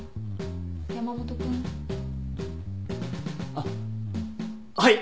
あっはい！